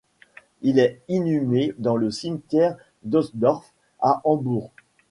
Il est inhumé dans le cimetière d'Ohlsdorf à Hambourg.